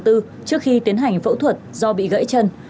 trước khi tiến hành phẫu thuật do bị gãy chân